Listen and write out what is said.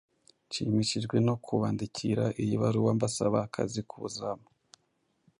Nshimishijwe no kubandikira iyi baruwa mbasaba akazi k’ubuzamu